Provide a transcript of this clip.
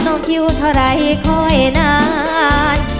ต้องคิวเท่าไหร่ค่อยนาน